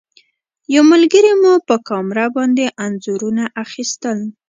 یو ملګري مو په کامره باندې انځورونه اخیستل.